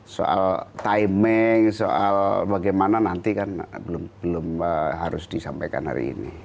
soal timing soal bagaimana nanti kan belum harus disampaikan hari ini